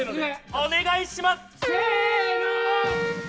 お願いします。